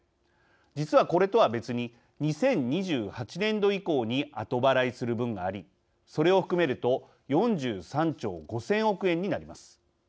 実は、これとは別に２０２８年度以降に後払いする分がありそれを含めると４３兆５０００億円になります。